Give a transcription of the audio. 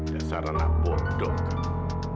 dasar anak bodoh kamu